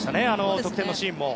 得点のシーンも。